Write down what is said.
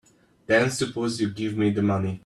Then suppose you give me the money.